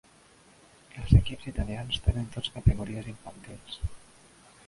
Els equips italians tenen tots categories infantils.